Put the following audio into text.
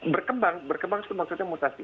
berkembang berkembang maksudnya mutasi